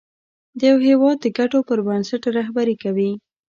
د یو هېواد د ګټو پر بنسټ رهبري کوي.